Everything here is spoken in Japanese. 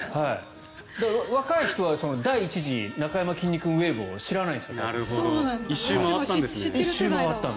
若い人は、第１次のなかやまきんに君ウェーブを１周回ったんですね。